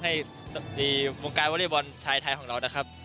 ในวงการวอเล็กบอลชายไทยของเรานะครับ